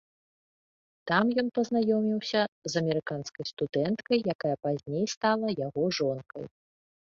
Там ён пазнаёміўся з амерыканскай студэнткай, якая пазней стала яго жонкай.